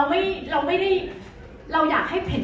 อ๋อแต่มีอีกอย่างนึงค่ะ